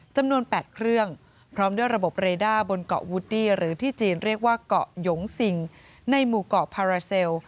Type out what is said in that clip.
จำนวน๘เครื่องพร้อมด้วยระบบเรด้าบนเกาะวูดดี้หรือที่จีนเรียกว่าเกาะหยงซิงในหมู่เกาะพาราเซล